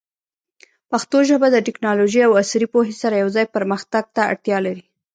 پښتو ژبه د ټیکنالوژۍ او عصري پوهې سره یوځای پرمختګ ته اړتیا لري.